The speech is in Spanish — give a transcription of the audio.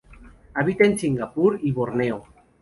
Habita en Singapur y Borneo.